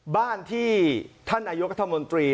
บ้านที่อายุกัธมนตรี